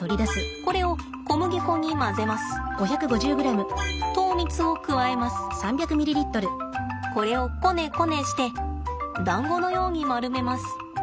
これをこねこねしてだんごのように丸めます。